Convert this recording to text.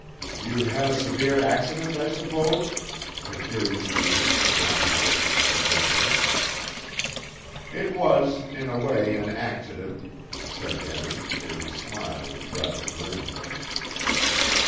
"You had a severe accident, I suppose?" the curious agent could not resist suggesting. "It was in a way an accident," said Denin, and his smile was rather grim.